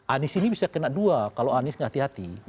anies ini bisa kena dua kalau anies hati hati